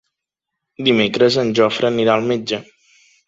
Dimecres en Jofre anirà al metge.